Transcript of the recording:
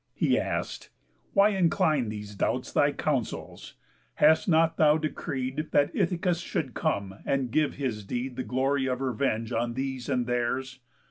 He ask'd: "Why incline These doubts thy counsels? Hast not thou decreed That Ithacus should come and give his deed The glory of revenge on these and theirs?